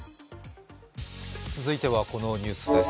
続いてはこのニュースです。